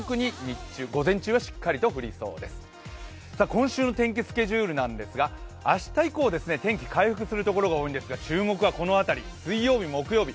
今週の天気スケジュールなんですが明日以降、天気回復するところが多いんですが、注目はこの辺り、水曜日、木曜日。